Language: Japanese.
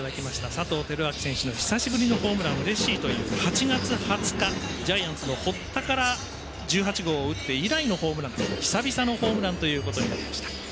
佐藤輝明選手の久しぶりのホームランうれしいという８月２０日、ジャイアンツの堀田から１８号を打って以来のホームランと久々のホームランとなりました。